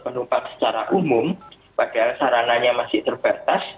penumpang secara umum padahal sarananya masih terbatas